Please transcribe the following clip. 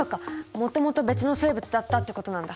もともと別の生物だったってことなんだ。